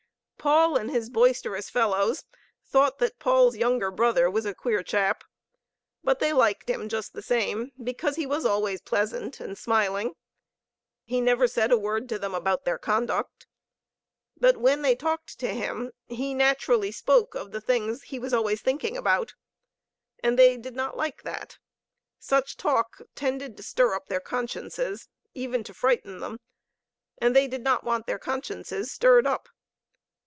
Paul and his boisterous fellows thought that Paul's younger brother was a queer chap. But they liked him, just the same, because he was always pleasant and smiling. He never said a word to them about their conduct. But when they talked to him, he naturally spoke of the things he was always thinking about. And they did not like that. Such talk tended to stir up their consciences, even to frighten them. And they did not want their con sciences stirred up.